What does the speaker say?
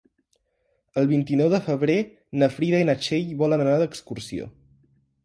El vint-i-nou de febrer na Frida i na Txell volen anar d'excursió.